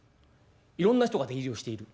いろんな人が出入りをしている。